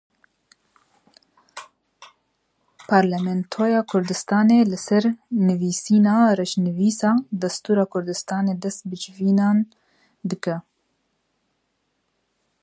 Parlamentoya Kurdistanê li ser nivîsîna reşnivîsa destûra Kurdistanê dest bi civînan dike.